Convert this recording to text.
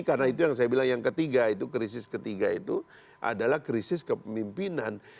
karena itu yang saya bilang yang ketiga itu krisis ketiga itu adalah krisis kepemimpinan